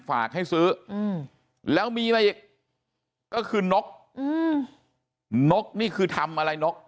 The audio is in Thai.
ฝากให้ซื้อแล้วมีอะไรอีกก็คือนกนกนี่คือทำอะไรนก